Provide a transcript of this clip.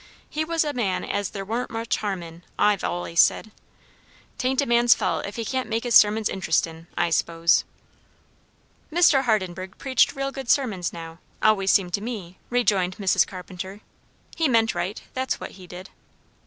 "He was a man as there warn't much harm in, I've allays said. 'Tain't a man's fault if he can't make his sermons interestin', I s'pose." "Mr. Hardenburgh preached real good sermons, now, always seemed to me," rejoined Mrs. Carpenter. "He meant right; that's what he did."